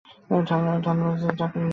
থানরাজ, চাকুটা নিয়ে আয়।